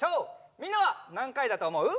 みんなはなんかいだとおもう？